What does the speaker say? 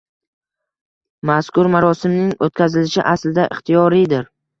Mazkur marosimning o‘tkazilishi aslida ixtiyoriydir